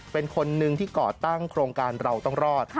เป็นคนนึงที่ก่อตั้งโครงการเราต้องรอด